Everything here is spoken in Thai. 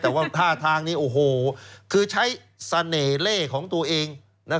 แต่ว่าถ้าทางนี้คือใช้เสน่ห์เลขของตัวเอง